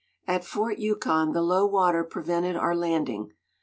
At Fort Yukon the low water prevented our landing.